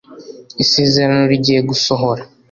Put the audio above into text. Isezerano rigiye gusohora